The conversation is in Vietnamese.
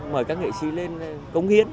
mời các nghệ sĩ lên công hiến